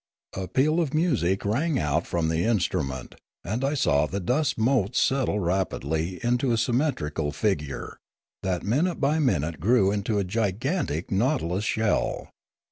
A peal of music rang out from the instrument, and I saw the dust motes settle rapidly into a symmetrical figure, that minute by minute grew into a gigantic nautilus shell.